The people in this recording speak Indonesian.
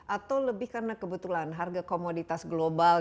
atau lebih karena kebetulan harga komoditas global